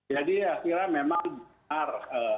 jadi akhirnya memang benar